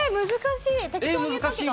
え、難しい。